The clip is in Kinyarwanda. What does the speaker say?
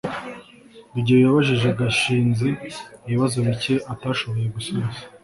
rugeyo yabajije gashinzi ibibazo bike atashoboye gusubiza